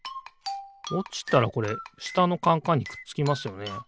おちたらこれしたのカンカンにくっつきますよね。